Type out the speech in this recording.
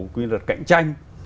quy luật cạnh tranh